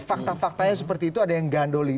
fakta faktanya seperti itu ada yang gandoli